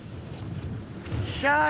よっしゃー！